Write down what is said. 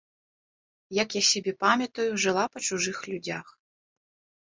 Як я сябе памятаю, жыла па чужых людзях.